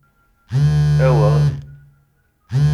Aweɣ!